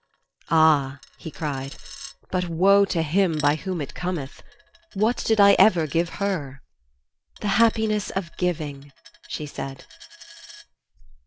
"Ah," he cried, "but woe to him by whom it cometh. What did I ever give her?" "The happiness of giving," she said.